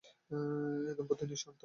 এ দম্পতি নিঃসন্তান।